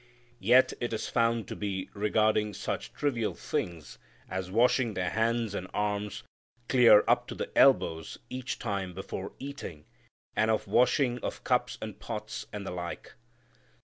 Yet it is found to be regarding such trivial things as washing their hands and arms clear up to the elbows each time before eating, and of washing of cups and pots and the like.